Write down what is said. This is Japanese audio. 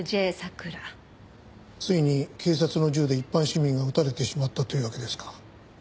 ついに警察の銃で一般市民が撃たれてしまったというわけですか。